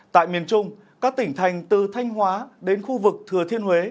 tại miền trung các tỉnh thành từ thanh hóa đến khu vực thừa thiên huế